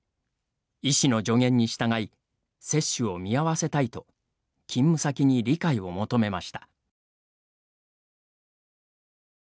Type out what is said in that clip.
医師の助言に従い接種を見合わせたいと勤務先に理解を求めました。